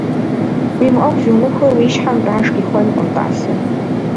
Уи мыӀуэху зумыхуи, уи щхьэм баш къихуэнкъым, тӀасэ.